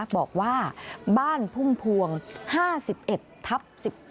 บอกว่าบ้านพุ่มพวง๕๑ทับ๑๗